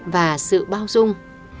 và sự bao dung